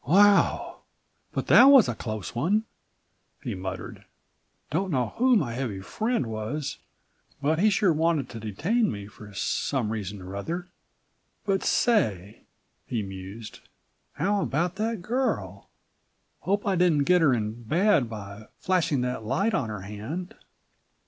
"Wow! but that was a close one," he muttered. "Don't know who my heavy friend was but he sure wanted to detain me for some reason or other. But say!" he mused; "how about that girl? Hope I didn't get her in bad by flashing that light on her hand.